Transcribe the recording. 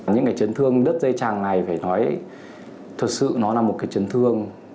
những trấn thương đất dây trằng này phải nói thật sự là một trấn thương